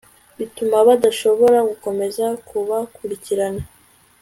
bituma badashobora gukomeza kubakurikirana